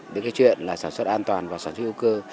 đến cái chuyện là sản xuất an toàn và sản xuất hữu cơ